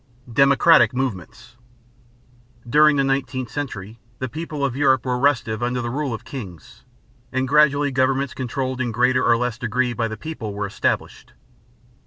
DEMOCRATIC MOVEMENTS. During the nineteenth century the people of Europe were restive under the rule of kings, and gradually governments controlled in greater or less degree by the people were established.